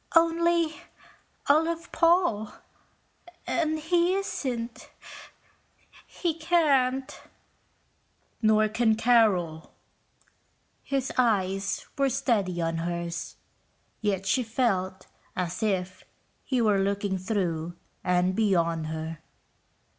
"Only I love Paul, and he isn't ... he can't...." "Nor can Carol." His eyes were steady on hers, yet she felt as if he were looking through and beyond her.